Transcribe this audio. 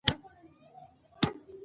د چک ولسوالۍ مرکز